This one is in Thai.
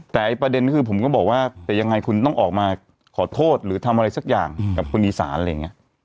แต่ประเด็นคือผมก็บอกว่าแต่ยังไงคุณต้องออกมาขอโทษหรือทำอะไรสักอย่างกับคนอีสานอะไรอย่างนี้